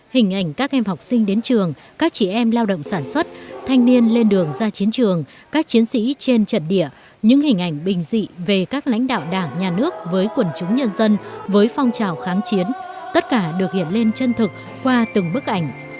hình ảnh các em học sinh đến trường các chị em lao động sản xuất thanh niên lên đường ra chiến trường các chiến sĩ trên trận địa những hình ảnh bình dị về các lãnh đạo đảng nhà nước với quần chúng nhân dân với phong trào kháng chiến tất cả được hiện lên chân thực qua từng bức ảnh